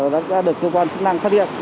đã được cơ quan chức năng phát hiện